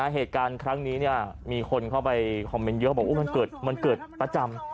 เหตุการณ์ครั้งนี้มีคนเข้าไปคอมเมนต์เยอะบอกมันเกิดประจำ